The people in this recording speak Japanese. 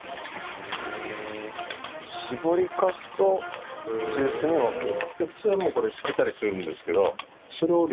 搾りかすとジュースに分ける。